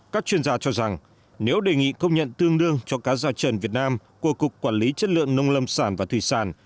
các chuyên gia cho rằng nếu đề nghị công nhận tương đương cho cá gia trần việt nam của cục quản lý chất lượng nông lâm sản và thủy sản